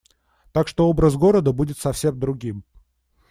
Так что образ города будет совсем другим.